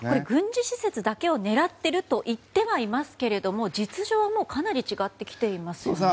軍事施設だけを狙っているといっていますけど実情はかなり違ってきていますよね。